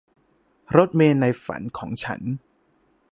รถเมล์ในฝันของฉัน